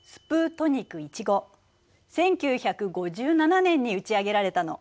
１９５７年に打ち上げられたの。